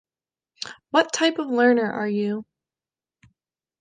What type of learner are you?